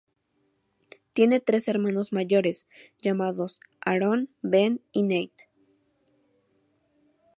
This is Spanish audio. Tiene tres hermanos mayores, llamados Aaron, Ben y Nate.